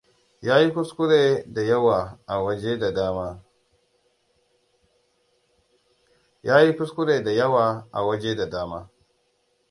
Ya yi kuskure da yawa a waje da dama.